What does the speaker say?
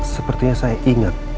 sepertinya saya ingat